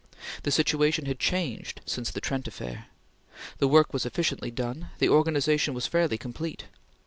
The situation had changed since the Trent Affair. The work was efficiently done; the organization was fairly complete.